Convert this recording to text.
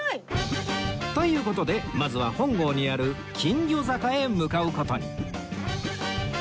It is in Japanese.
という事でまずは本郷にある金魚坂へ向かう事に